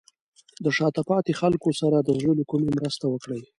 د شاته پاتې خلکو سره د زړه له کومې مرسته وکړئ.